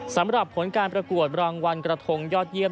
สำหรับผลการประกวดรางวัลกระทงยอดเยี่ยม